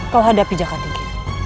kau hadapi jakat tinggi